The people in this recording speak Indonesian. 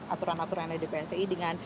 aturan aturan yang ada di psi dengan